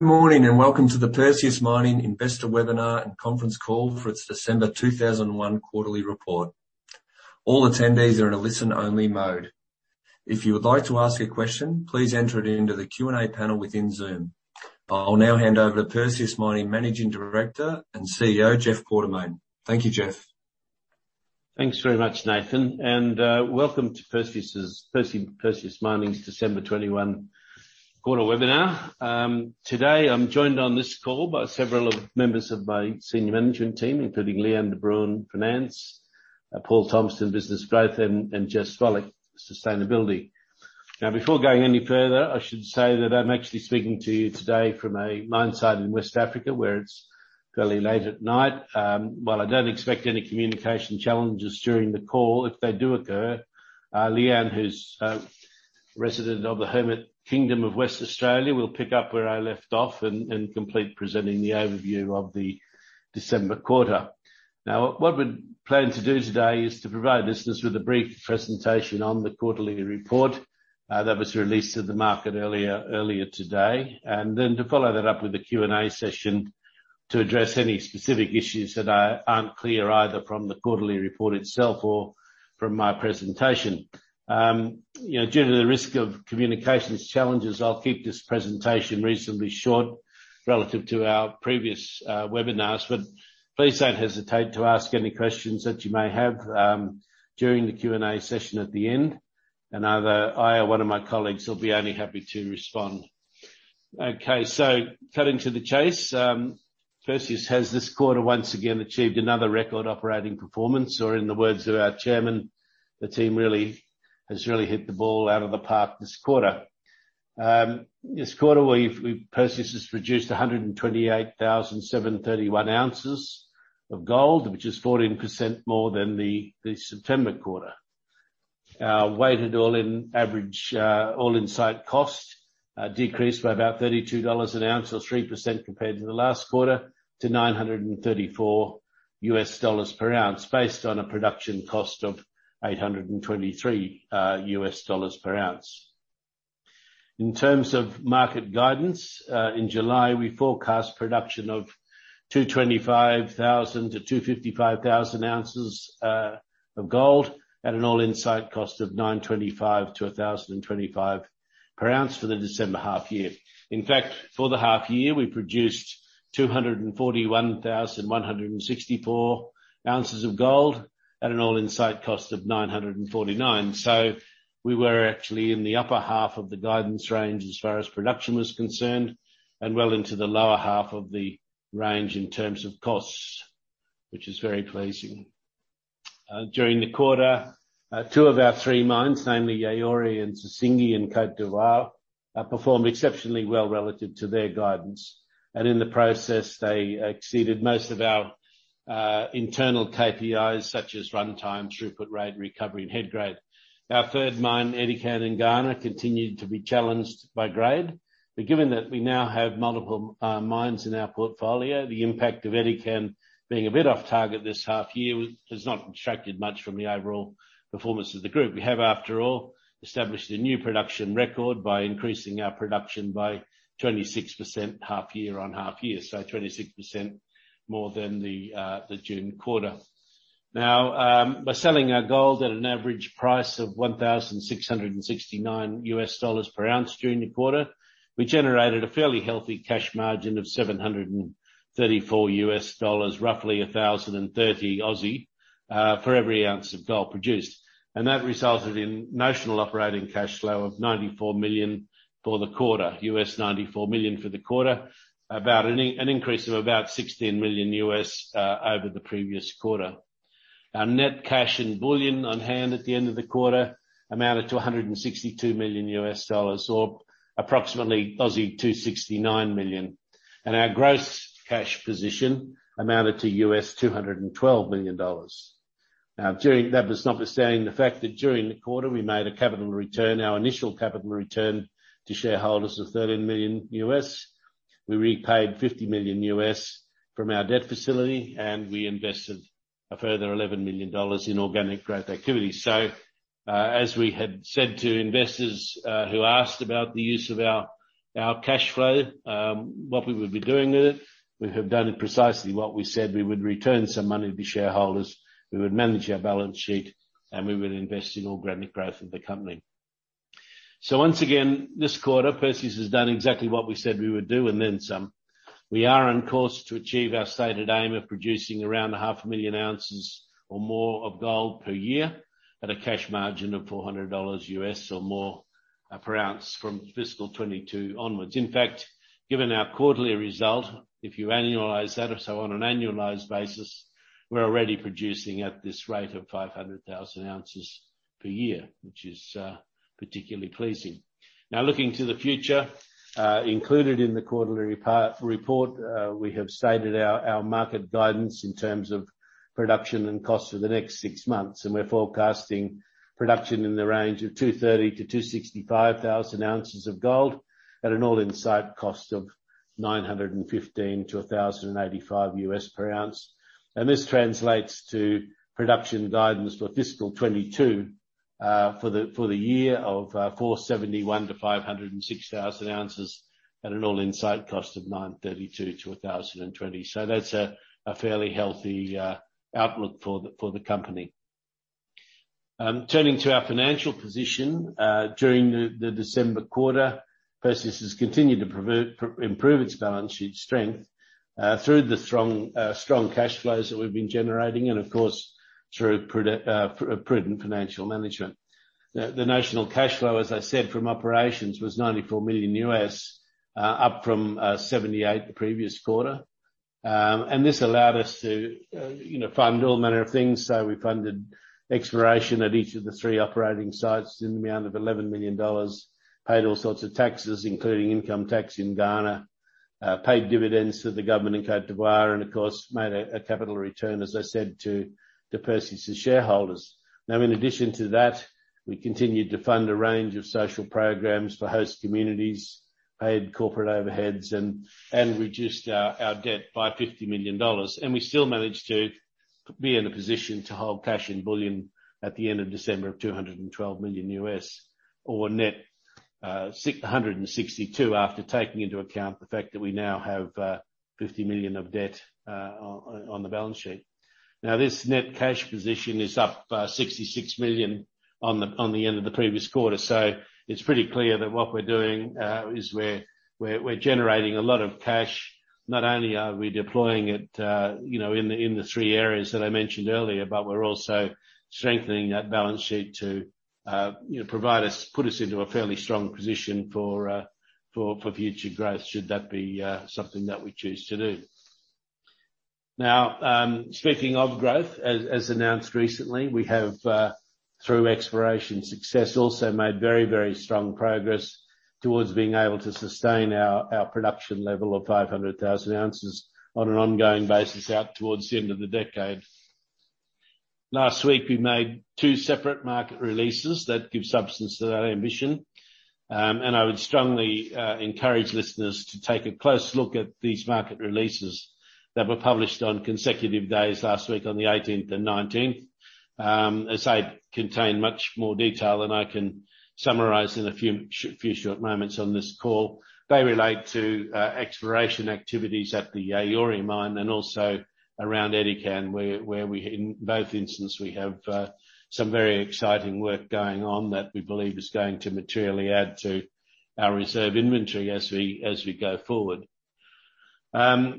Good morning, and welcome to the Perseus Mining investor webinar and conference call for its December 2001 quarterly report. All attendees are in a listen-only mode. If you would like to ask a question, please enter it into the Q&A panel within Zoom. I'll now hand over to Perseus Mining Managing Director and CEO, Jeff Quartermaine. Thank you, Geoff. Thanks very much, Nathan, and welcome to Perseus Mining's December 2021 quarter webinar. Today, I'm joined on this call by several members of my senior management team, including Lee-Anne de Bruin, Finance, Paul Thompson, Business Growth, and Jess Follick, Sustainability. Now, before going any further, I should say that I'm actually speaking to you today from a mine site in West Africa, where it's fairly late at night. While I don't expect any communication challenges during the call, if they do occur, Lee-Anne, who's resident of the hermit kingdom of West Australia, will pick up where I left off and complete presenting the overview of the December quarter. Now, what we plan to do today is to provide listeners with a brief presentation on the quarterly report that was released to the market earlier today. To follow that up with a Q&A session to address any specific issues that are unclear either from the quarterly report itself or from my presentation. You know, due to the risk of communications challenges, I'll keep this presentation reasonably short relative to our previous webinars. Please don't hesitate to ask any questions that you may have during the Q&A session at the end. Either I or one of my colleagues will be only happy to respond. Okay. Cutting to the chase, Perseus has this quarter once again achieved another record operating performance, or in the words of our chairman, "The team has really hit the ball out of the park this quarter." This quarter, Perseus has produced 128,731 ounces of gold, which is 14% more than the September quarter. Our weighted all-in average all-in site cost decreased by about $32 an ounce or 3% compared to the last quarter to $934 US dollars per ounce, based on a production cost of $823 US dollars per ounce. In terms of market guidance, in July, we forecast production of 225,000 to 255,000 ounces of gold at an all-in site cost of $925-$1,025 per ounce for the December half year. In fact, for the half year, we produced 241,164 ounces of gold at an all-in site cost of $949. We were actually in the upper half of the guidance range as far as production was concerned, and well into the lower half of the range in terms of costs, which is very pleasing. During the quarter, two of our three mines, namely Yaouré and Sissingué in Côte d'Ivoire, performed exceptionally well relative to their guidance. In the process, they exceeded most of our internal KPIs, such as runtime, throughput rate, recovery, and head grade. Our third mine, Edikan in Ghana, continued to be challenged by grade. Given that we now have multiple mines in our portfolio, the impact of Edikan being a bit off target this half year has not detracted much from the overall performance of the group. We have, after all, established a new production record by increasing our production by 26% half year on half year. 26% more than the June quarter. Now, by selling our gold at an average price of $1,669 per ounce during the quarter, we generated a fairly healthy cash margin of $734, roughly 1,030, for every ounce of gold produced. That resulted in notional operating cash flow of $94 million for the quarter, $94 million for the quarter, about an increase of about $16 million over the previous quarter. Our net cash and bullion on hand at the end of the quarter amounted to $162 million or approximately 269 million. Our gross cash position amounted to $212 million. Now, that was notwithstanding the fact that during the quarter, we made a capital return, our initial capital return to shareholders of $13 million. We repaid $50 million from our debt facility, and we invested a further $11 million in organic growth activity. As we had said to investors who asked about the use of our cash flow, what we would be doing with it, we have done precisely what we said. We would return some money to shareholders, we would manage our balance sheet, and we would invest in organic growth of the company. Once again, this quarter, Perseus has done exactly what we said we would do and then some. We are on course to achieve our stated aim of producing around 500,000 ounces or more of gold per year at a cash margin of $400 or more per ounce from fiscal 2022 onwards. In fact, given our quarterly result, if you annualize that, or so on an annualized basis, we're already producing at this rate of 500,000 ounces per year, which is particularly pleasing. Now looking to the future, included in the quarterly report, we have stated our market guidance in terms of production and cost for the next six months. We're forecasting production in the range of 230,000-265,000 ounces of gold at an all-in site cost of $915-$1,085 per ounce. This translates to production guidance for fiscal 2022 for the year of 471,000-506,000 ounces at an all-in site cost of $932-$1,020. That's a fairly healthy outlook for the company. Turning to our financial position, during the December quarter, Perseus has continued to improve its balance sheet strength, through the strong cash flows that we've been generating and of course, through prudent financial management. The notional cash flow, as I said, from operations was $94 million, up from $78 million the previous quarter. This allowed us to, you know, fund all manner of things. We funded exploration at each of the three operating sites in the amount of $11 million, paid all sorts of taxes, including income tax in Ghana, paid dividends to the government in Côte d'Ivoire, and of course, made a capital return, as I said, to Perseus' shareholders. Now, in addition to that, we continued to fund a range of social programs for host communities, paid corporate overheads, and reduced our debt by $50 million. We still managed to be in a position to hold cash and bullion at the end of December $212 million USD, or net, $162 million after taking into account the fact that we now have $50 million of debt on the balance sheet. Now, this net cash position is up $66 million on the end of the previous quarter. It's pretty clear that what we're doing is we're generating a lot of cash. Not only are we deploying it, you know, in the three areas that I mentioned earlier, but we're also strengthening that balance sheet to, you know, put us into a fairly strong position for future growth should that be something that we choose to do. Now, speaking of growth, as announced recently, we have, through exploration success, also made very strong progress towards being able to sustain our production level of 500,000 ounces on an ongoing basis out towards the end of the decade. Last week, we made two separate market releases that give substance to that ambition. I would strongly encourage listeners to take a close look at these market releases that were published on consecutive days last week on the eighteenth and nineteenth, as they contain much more detail than I can summarize in a few short moments on this call. They relate to exploration activities at the Yaouré mine and also around Edikan, where in both instances we have some very exciting work going on that we believe is going to materially add to our reserve inventory as we go forward. You know,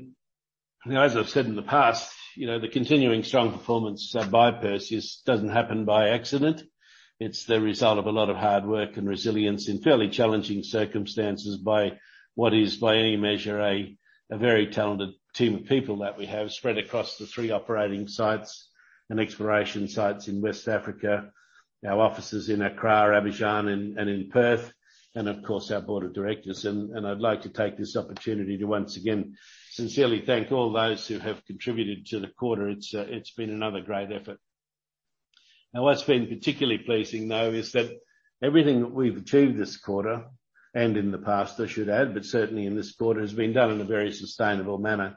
as I've said in the past, you know, the continuing strong performance by Perseus Mining doesn't happen by accident. It's the result of a lot of hard work and resilience in fairly challenging circumstances by what is, by any measure, a very talented team of people that we have spread across the three operating sites and exploration sites in West Africa, our offices in Accra, Abidjan, and in Perth, and of course, our board of directors. I'd like to take this opportunity to once again sincerely thank all those who have contributed to the quarter. It's been another great effort. Now, what's been particularly pleasing, though, is that everything that we've achieved this quarter, and in the past, I should add, but certainly in this quarter, has been done in a very sustainable manner.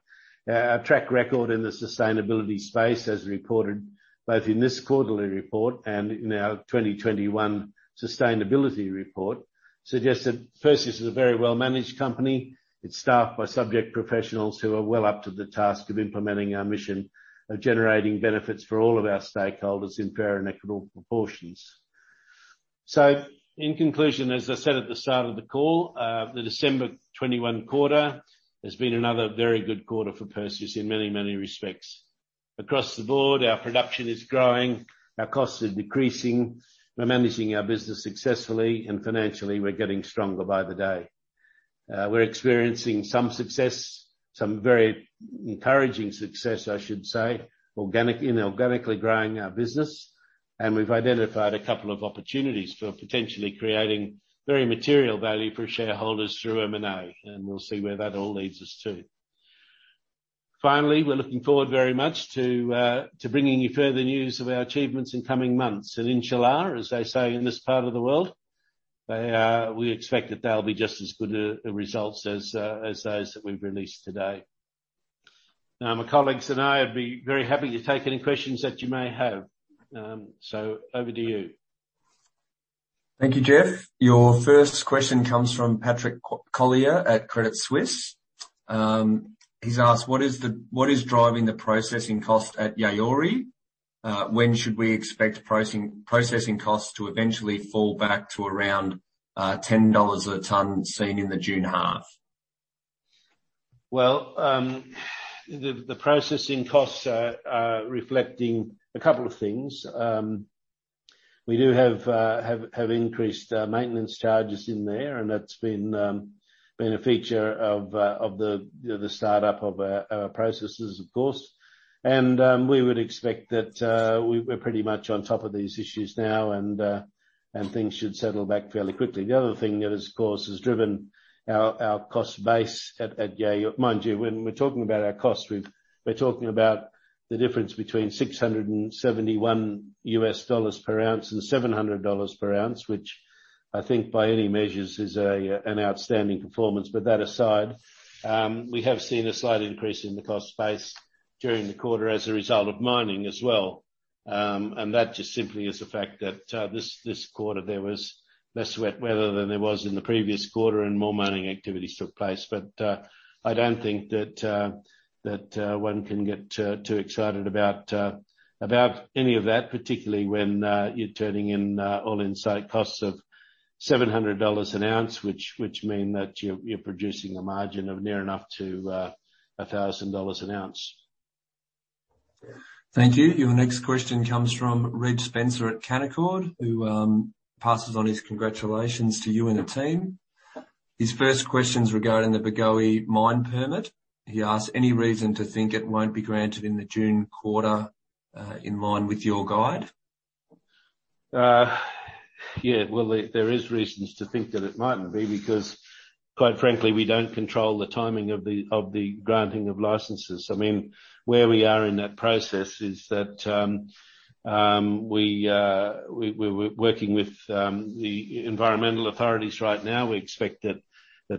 Our track record in the sustainability space, as reported both in this quarterly report and in our 2021 sustainability report, suggests that Perseus is a very well-managed company. It's staffed by subject professionals who are well up to the task of implementing our mission of generating benefits for all of our stakeholders in fair and equitable proportions. In conclusion, as I said at the start of the call, the December 2021 quarter has been another very good quarter for Perseus in many, many respects. Across the board, our production is growing, our costs are decreasing, we're managing our business successfully, and financially, we're getting stronger by the day. We're experiencing some success, some very encouraging success, I should say, organic, inorganically growing our business. We've identified a couple of opportunities for potentially creating very material value for shareholders through M&A, and we'll see where that all leads us to. Finally, we're looking forward very much to bringing you further news of our achievements in coming months. Inshallah, as they say in this part of the world, we expect that they'll be just as good results as those that we've released today. Now, my colleagues and I would be very happy to take any questions that you may have. Over to you. Thank you, Geoff. Your first question comes from Patrick Collier at Credit Suisse. He's asked: What is driving the processing cost at Yaouré? When should we expect processing costs to eventually fall back to around 10 dollars a ton seen in the June half? Well, the processing costs are reflecting a couple of things. We do have increased maintenance charges in there, and that's been a feature of the you know the startup of our processes, of course. We would expect that we're pretty much on top of these issues now and things should settle back fairly quickly. The other thing that has, of course, driven our cost base at Yaouré, mind you, when we're talking about our costs, we're talking about the difference between $671 per ounce and $700 per ounce, which I think by any measure is an outstanding performance. That aside, we have seen a slight increase in the cost base during the quarter as a result of mining as well. That just simply is the fact that this quarter there was less wet weather than there was in the previous quarter, and more mining activities took place. I don't think that one can get too excited about any of that, particularly when you're turning in all-in site costs of $700 an ounce which mean that you're producing a margin of near enough to $1,000 an ounce. Thank you. Your next question comes from Reg Spencer at Canaccord, who passes on his congratulations to you and the team. His first question's regarding the Bougouni mine permit. He asks, any reason to think it won't be granted in the June quarter, in line with your guide? Yeah. Well, there is reasons to think that it mightn't be, because, quite frankly, we don't control the timing of the granting of licenses. I mean, where we are in that process is that we're working with the environmental authorities right now. We expect that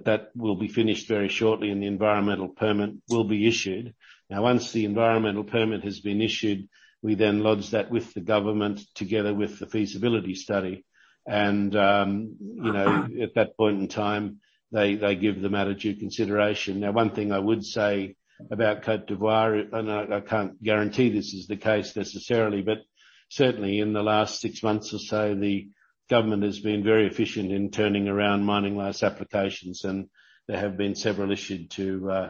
that will be finished very shortly, and the environmental permit will be issued. Now, once the environmental permit has been issued, we then lodge that with the government together with the feasibility study. You know, at that point in time, they give the matter due consideration. Now, one thing I would say about Côte d'Ivoire, and I can't guarantee this is the case necessarily, but certainly in the last six months or so, the government has been very efficient in turning around mining lease applications, and there have been several issued to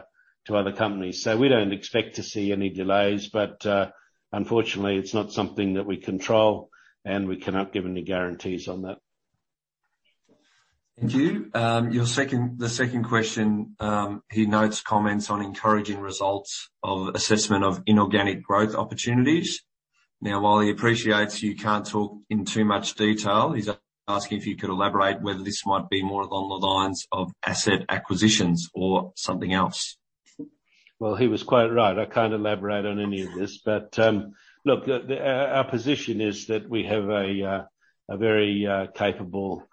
other companies. We don't expect to see any delays, but unfortunately, it's not something that we control, and we cannot give any guarantees on that. Thank you. The second question, he notes comments on encouraging results of assessment of inorganic growth opportunities. Now, while he appreciates you can't talk in too much detail, he's asking if you could elaborate whether this might be more along the lines of asset acquisitions or something else. Well, he was quite right. I can't elaborate on any of this. Look, our position is that we have a very capable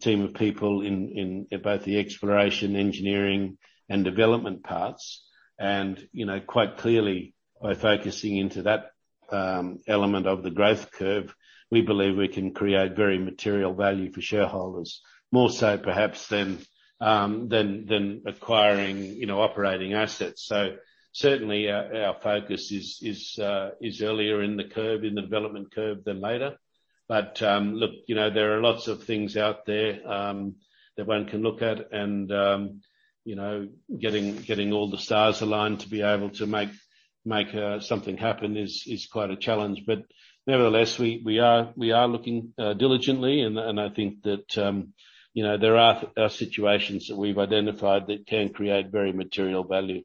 team of people in both the exploration, engineering, and development parts. You know, quite clearly, by focusing into that element of the growth curve, we believe we can create very material value for shareholders, more so perhaps than acquiring, you know, operating assets. Certainly our focus is earlier in the curve, in the development curve than later. Look, you know, there are lots of things out there that one can look at and, you know, getting all the stars aligned to be able to make something happen is quite a challenge. Nevertheless, we are looking diligently, and I think that you know there are situations that we've identified that can create very material value.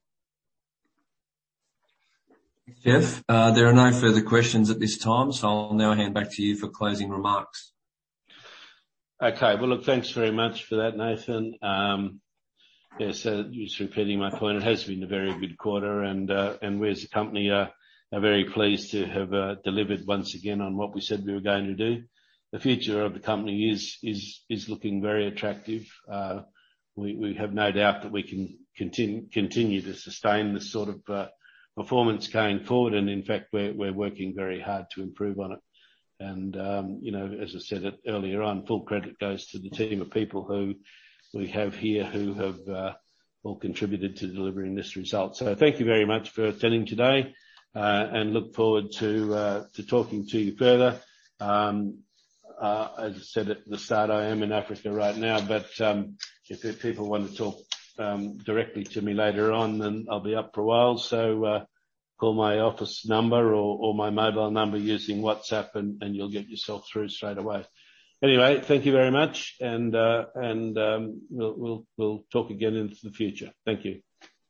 Jeff, there are no further questions at this time, so I'll now hand back to you for closing remarks. Okay. Well, look, thanks very much for that, Nathan. Yeah, so just repeating my point, it has been a very good quarter, and we as a company are very pleased to have delivered once again on what we said we were going to do. The future of the company is looking very attractive. We have no doubt that we can continue to sustain this sort of performance going forward. In fact, we're working very hard to improve on it. You know, as I said earlier on, full credit goes to the team of people who we have here who have all contributed to delivering this result. Thank you very much for attending today, and I look forward to talking to you further. As I said at the start, I am in Africa right now, but if people wanna talk directly to me later on, then I'll be up for a while. Call my office number or my mobile number using WhatsApp and you'll get yourself through straight away. Anyway, thank you very much, and we'll talk again into the future. Thank you.